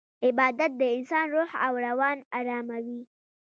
عبادت د انسان روح او روان اراموي.